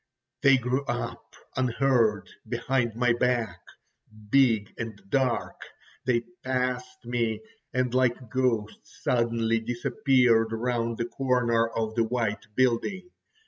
They grew up unheard behind my back, big and dark; they passed me, and like ghosts suddenly disappeared round the corner of the white building.